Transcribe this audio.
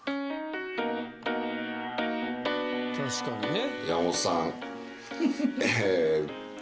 確かにね。え。